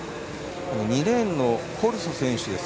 ２レーンのコルソ選手